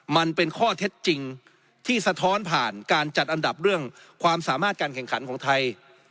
มันเป็นข้อเท็จจริงที่สะท้อนผ่านการจัดอันดับเรื่องความสามารถการแข่งขันของไทย